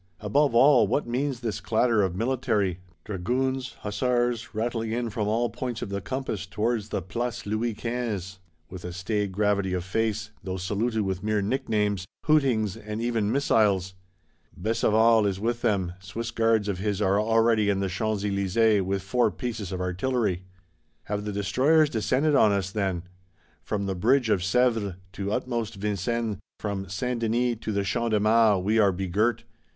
Above all, what means this clatter of military; dragoons, hussars, rattling in from all points of the compass towards the Place Louis Quinze; with a staid gravity of face, though saluted with mere nicknames, hootings and even missiles? Besenval is with them. Swiss Guards of his are already in the Champs Elysées, with four pieces of artillery. Have the destroyers descended on us, then? From the Bridge of Sèvres to utmost Vincennes, from Saint Denis to the Champ de Mars, we are begirt!